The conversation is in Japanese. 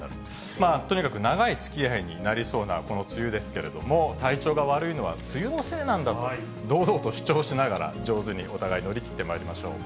まあ、とにかく長いつきあいになりそうなこの梅雨ですけれども、体調が悪いのは梅雨のせいなんだと、堂々と主張しながら、上手にお互い、乗りきってまいりましょう。